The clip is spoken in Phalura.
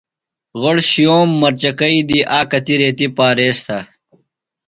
غوۡڑ شِیوم مرچکئی دی آ کتیۡ ریتیۡ پاریز تھہ۔